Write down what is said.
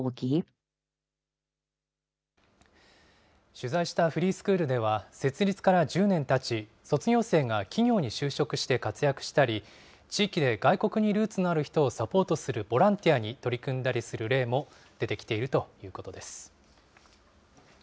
取材したフリースクールでは、設立から１０年たち、卒業生が企業に就職して活躍したり、地域で外国にルーツのある人をサポートするボランティアに取り組んだりする例も出てきているということです。